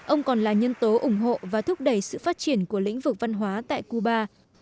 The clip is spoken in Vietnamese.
ông còn là nhân tố ủng hộ và thúc đẩy sự phát triển của lĩnh vực văn hóa tại cuba